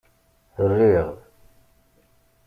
Rriɣ.